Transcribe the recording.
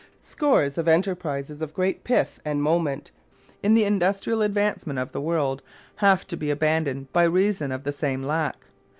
Scores of "enterprises of great pith and moment" in the industrial advancement of the world have to be abandoned by reason of the same lack.